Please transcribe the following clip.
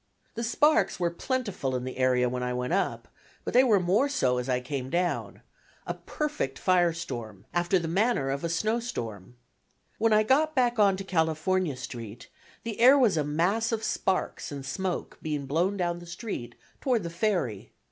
The sparks were plentiful in the area when I went up, but they were more so as I came down, a perfect firestorm, after the manner of a snow storm. When I got back on to California Street the air was a mass of sparks and smoke being blown down the street toward the ferry.